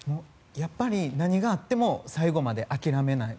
やっぱり何があっても最後まで諦めない。